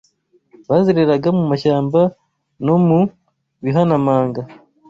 Bazereraga mu mashyamba no mu bihanamanga